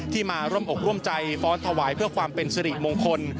มาร่วมอกร่วมใจฟ้อนถวายเพื่อความเป็นสิริมงคล